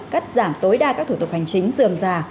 cắt giảm tối đa các thủ tục hành chính dườm già